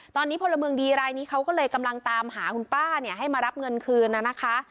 ตอนนี้พลเมืองดีรายนี้เขาก็เลยกำลังตามหาคุณป้าเนี่ยให้มารับเงินคืนน่ะนะคะ